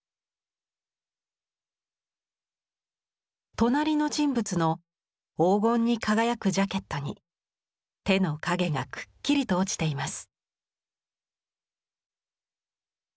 隣の人物の黄金に輝くジャケットに手の影がくっきりと落ちています。